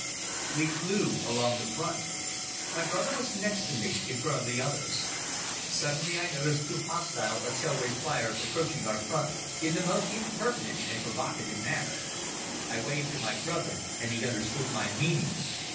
We flew along the front. My brother was next to me, in front of the others. Suddenly I noticed two hostile artillery fliers approaching our front in the most impertinent and provocative manner. I waved to my brother and he understood my meaning.